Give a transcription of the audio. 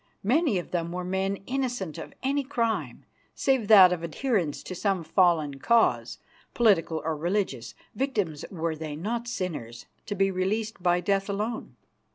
Many of them were men innocent of any crime, save that of adherence to some fallen cause, political or religious; victims were they, not sinners, to be released by death alone.